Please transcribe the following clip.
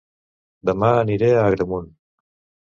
Dema aniré a Agramunt